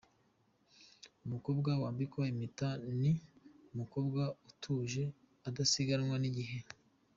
Umukobwa wambikwa impeta ni umukobwa utuje udasiganwa n’igihe.